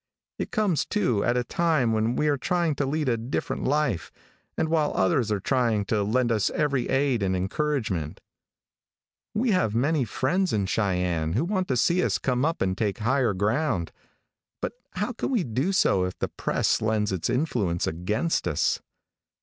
It comes too, at a time when we are trying to lead a different life, and while others are trying to lend us every aid and encouragement. We have many friends in Cheyenne who want to see us come up and take higher ground, but how can we do so if the press lends its influence against us.